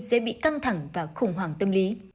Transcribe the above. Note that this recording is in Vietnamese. sẽ bị căng thẳng và khủng hoảng tâm lý